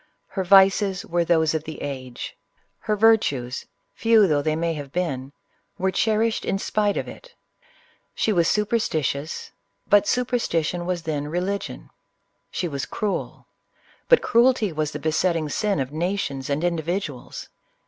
li r vices were those of the age: — her virtues, few though they may have been, were cherished in spite of it. She was superstitious, — but Superstition was then K. ligion. She was cruel, — but cruelty was the ting sin of nations and individuals.